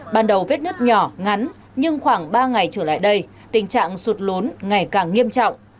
ban đầu vết nứt nhỏ ngắn nhưng khoảng ba ngày trở lại đây tình trạng sụt lún ngày càng nghiêm trọng